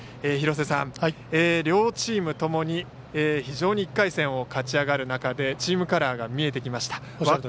廣瀬さん、両チームともに非常に１回戦を勝ち上がる中でチームカラーが見えてきました。